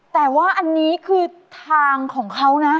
แต่ว่าอันนี้คือทางของเขานะ